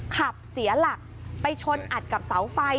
ขับเสียหลักไปชนอัดกับเสาไฟ